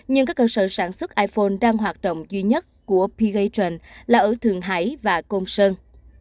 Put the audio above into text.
nhưng các cơ sở sản xuất iphone đang hoạt động duy nhất của p gatron là ở thượng hải và công sơn